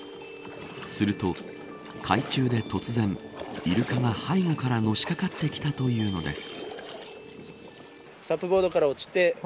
すると海中で突然イルカが背後からのしかかってきたというのです。